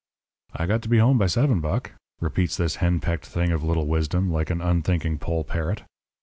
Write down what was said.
"'I got to be home by seven, Buck,' repeats this hen pecked thing of little wisdom, like an unthinking poll parrot.